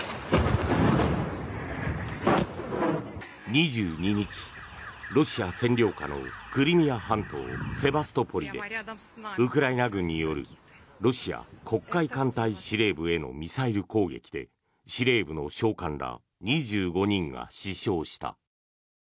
２２日、ロシア占領下のクリミア半島セバストポリでウクライナ軍によるロシア黒海艦隊司令部へのミサイル攻撃で司令部の将官ら２５人が死傷した。